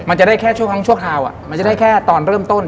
มันจะได้แค่ชั่วครั้งชั่วคราวมันจะได้แค่ตอนเริ่มต้น